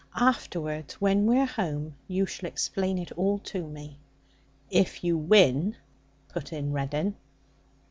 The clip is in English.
'Afterwards, when we're home, you shall explain it all to me.' 'If you win!' put in Reddin.